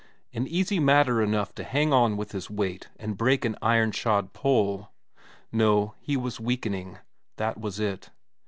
An easy matter enough to hang on with his weight and break an iron shod pole. No, he was weakening, that was it.